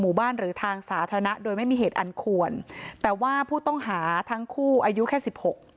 หรือทางสาธารณะโดยไม่มีเหตุอันควรแต่ว่าผู้ต้องหาทั้งคู่อายุแค่สิบหก